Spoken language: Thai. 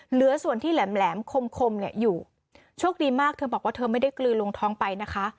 เหลือส่วนที่แหลมคมคมเนี่ยอยู่โชคดีมากเธอบอกว่าเธอไม่ได้กลือลงท้องไปนะคะ